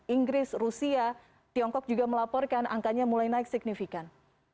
inggris rusia tiongkok juga melaporkan angkanya mulai naik signifikan